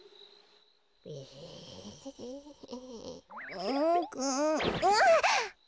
うんああっ！